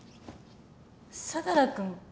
相良君。